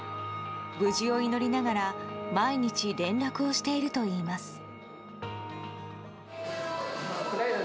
無事を祈りながら毎日、連絡をしているといいます。